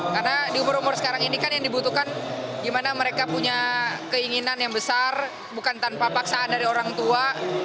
karena di umur umur sekarang ini kan yang dibutuhkan gimana mereka punya keinginan yang besar bukan tanpa paksaan dari orang tua